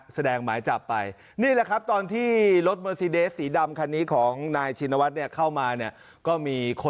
แสดงหมายจับไปนี่แหละครับตอนที่